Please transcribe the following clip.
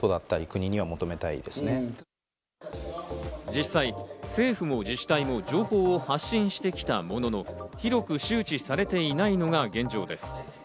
実際、政府も自治体も情報を発信してきたものの、広く周知されていないのが現状です。